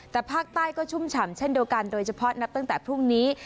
แต่ภาคใต้ก็ชุ่มฉ่ำเช่นเดียวกันโดยเฉพาะนับตั้งแต่พรุ่งนี้